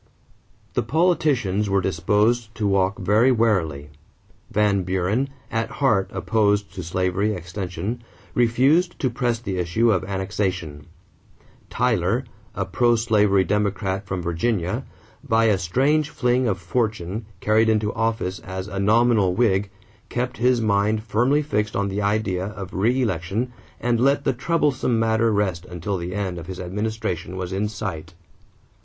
= The politicians were disposed to walk very warily. Van Buren, at heart opposed to slavery extension, refused to press the issue of annexation. Tyler, a pro slavery Democrat from Virginia, by a strange fling of fortune carried into office as a nominal Whig, kept his mind firmly fixed on the idea of reëlection and let the troublesome matter rest until the end of his administration was in sight.